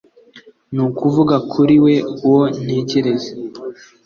Nukuvuga kuri we uwo ntekereza